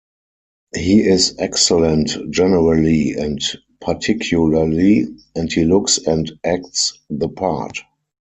He is excellent generally and particularly; and he looks and acts the part.